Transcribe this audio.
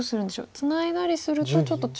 ツナいだりするとちょっと中央薄く。